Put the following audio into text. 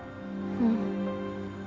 うん。